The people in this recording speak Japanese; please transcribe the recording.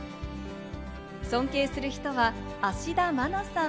尊敬する人は芦田愛菜さん。